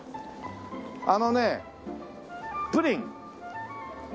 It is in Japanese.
あのねプリン！